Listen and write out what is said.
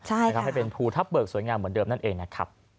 ใช่นะครับให้เป็นภูทับเบิกสวยงามเหมือนเดิมนั่นเองนะครับ